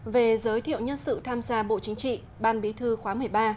về giới thiệu nhân sự tham gia bộ chính trị ban bí thư khóa một mươi ba